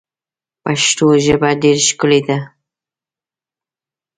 پښتو ژبه ډیر ښکلی ده.